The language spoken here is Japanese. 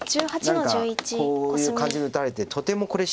何かこういう感じで打たれてとてもこれ。